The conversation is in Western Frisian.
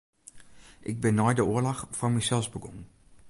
Ik bin nei de oarloch foar mysels begûn.